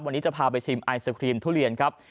วันนี้จะพาไปชิมไอศครีมทุเรียนครับ